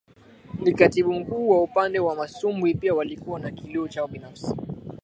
ni Katibu Mkuu wa Upande wa masumbwi pia walikuwa na kilio chao Binafsi